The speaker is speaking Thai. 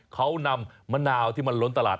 เขานำมะนาวที่มันล้นตลาด